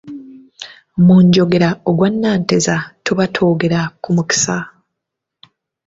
Mu njogera "Ogwa Nanteza" tuba twogera ku mukisa.